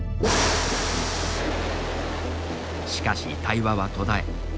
しかし、対話は途絶え